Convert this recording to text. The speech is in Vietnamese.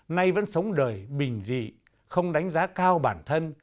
nay vẫn sống đời bình dị không đánh giá cao bản thân